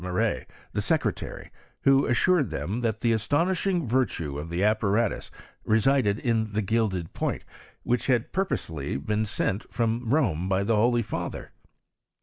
Maret, the secretary^ who assured them that the astonishing virtue of die apparatus resided in the gilded point, whidli had purposely been sent frOm Rome by the holy father